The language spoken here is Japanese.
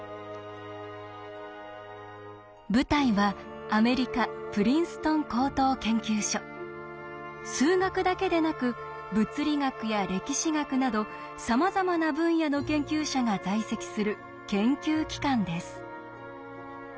舞台はアメリカ数学だけでなく物理学や歴史学などさまざまな分野の研究者が在籍する研究機関です。